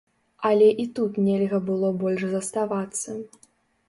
Але і тут нельга было больш заставацца.